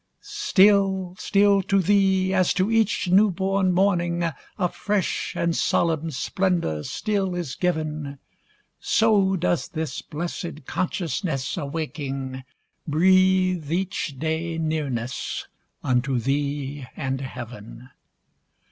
Still, still to Thee, as to each new born morning, A fresh and solemn splendor still is giv'n, So does this blessed consciousness awaking, Breathe each day nearness unto Thee and heav'n.